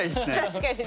確かにね。